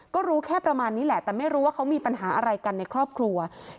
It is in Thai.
ก็รู้แค่ประมาณนี้แหละแต่ไม่รู้ว่าเขามีปัญหาอะไรกันในครอบครัว